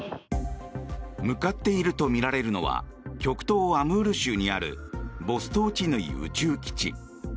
向かっているとみられるのは極東アムール州にあるボストーチヌイ宇宙基地。